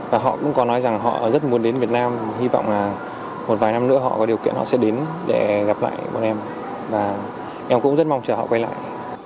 và họ cũng có nói rằng họ rất muốn đến việt nam hy vọng là một vài năm nữa họ có điều kiện họ sẽ đến để gặp lại bọn em và em cũng rất mong chờ họ quay lại